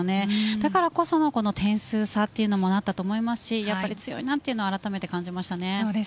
だからこその点数差というのもあったと思いますし強いなというのをあらためて感じました。